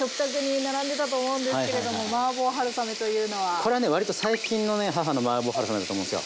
これはね割と最近のね母のマーボー春雨だと思うんですよ。